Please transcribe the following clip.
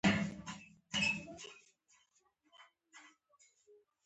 د روزنې لاندې کبانو د ناروغیو مخنیوي لپاره حفاظتي ټکي په پام کې ونیسئ.